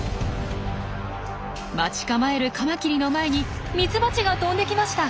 待ち構えるカマキリの前にミツバチが飛んできました。